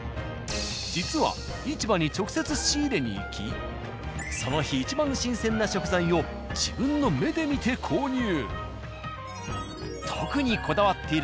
実は市場に直接仕入れに行きその日いちばん新鮮な食材を自分の目で見て購入。